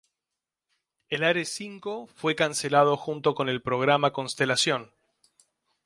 El Ares V fue cancelado junto con el Programa Constelación.